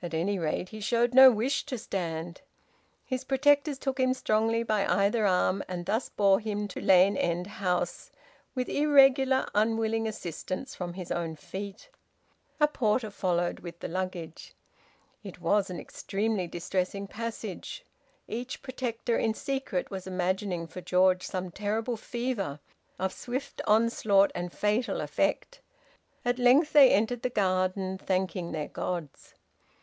At any rate he showed no wish to stand. His protectors took him strongly by either arm, and thus bore him to Lane End House, with irregular unwilling assistance from his own feet. A porter followed with the luggage. It was an extremely distressing passage. Each protector in secret was imagining for George some terrible fever, of swift onslaught and fatal effect. At length they entered the garden, thanking their gods.